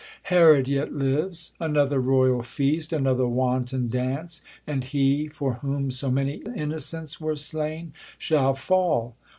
Herod yet lives ; another royai feast, Another wanton dance, and he, for whom So many innocents were slain, shall fall.